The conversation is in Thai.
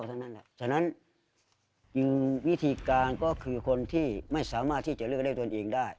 ฉะนั้นจริงวิธีการก็คือคนที่ไม่สามารถที่จะเลือกได้ตนเองได้